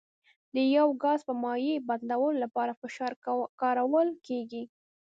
د یو ګاز په مایع بدلولو لپاره فشار کارول کیږي.